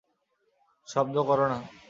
শব্দ কর না।